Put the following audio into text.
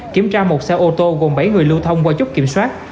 kiểm tra một xe ô tô gồm bảy người lưu thông qua chốt kiểm soát